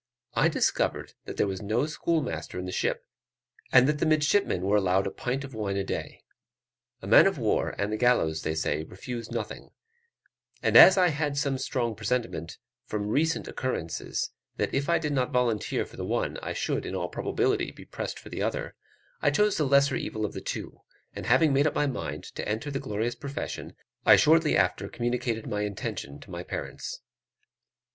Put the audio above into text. I discovered that there was no schoolmaster in the ship, and that the midshipmen were allowed a pint of wine a day. A man of war, and the gallows, they say, refuse nothing; and as I had some strong presentiment from recent occurrences, that if I did not volunteer for the one, I should, in all probability, be pressed for the other, I chose the lesser evil of the two; and having made up my mind to enter the glorious profession, I shortly after communicated my intention to my parents.